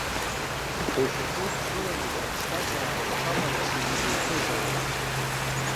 Ушьапы уқәгыланаҵ аԥсҭазаара уҽаларԥсын иукызароуп.